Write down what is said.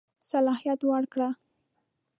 صلاحیت ورکړ.